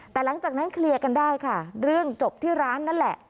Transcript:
แต่หลังจากนั้นเคลียร์กันได้ค่ะเรื่องจบที่ร้านนั่นแหละ